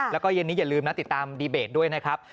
แล้วก็เย็นนี้อย่าลืมนะติดตามดีเบตด้วยนะครับ